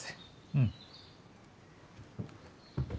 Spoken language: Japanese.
うん。